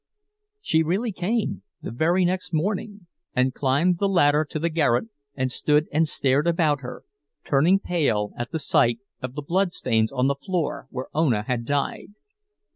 She really came, the very next morning, and climbed the ladder to the garret, and stood and stared about her, turning pale at the sight of the blood stains on the floor where Ona had died.